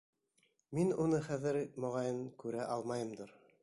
Мин уны хәҙер, моғайын, күрә алмайымдыр...